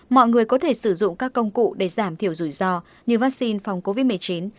mọi người có thể sử dụng các công cụ để giảm thiểu rủi ro như vaccine phòng covid một mươi chín